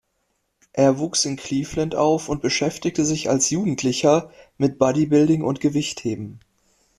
Er wuchs in Cleveland auf und beschäftigte sich als Jugendlicher mit Bodybuilding und Gewichtheben.